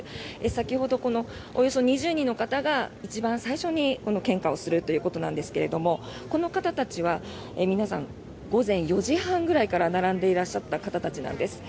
先ほど、およそ２０人の方が一番最初に献花をするということなんですけれどもこの方たちは皆さん、午前４時半ぐらいから並んでいらっしゃった方たちなんです。